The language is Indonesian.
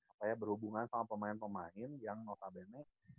apa ya berhubungan sama pemain pemain yang notabene